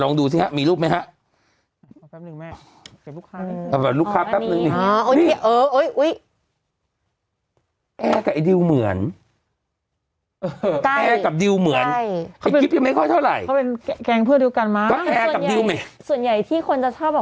ลองดูสิครับมีรูปไหมครับ